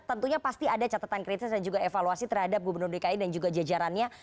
tentunya pasti ada catatan kritis dan juga evaluasi terhadap gubernur dki dan juga jajarannya